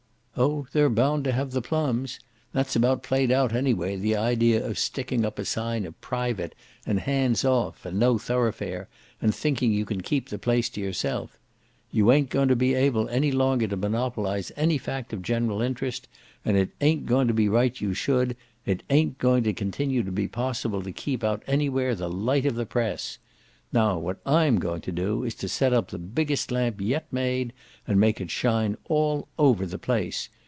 Oh they're bound to have the plums! That's about played out, anyway, the idea of sticking up a sign of 'private' and 'hands off' and 'no thoroughfare' and thinking you can keep the place to yourself. You ain't going to be able any longer to monopolise any fact of general interest, and it ain't going to be right you should; it ain't going to continue to be possible to keep out anywhere the light of the Press. Now what I'm going to do is to set up the biggest lamp yet made and make it shine all over the place.